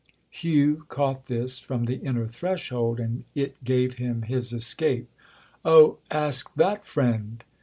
Hugh caught this from the inner threshold, and it gave him his escape. "Oh, ask that friend!"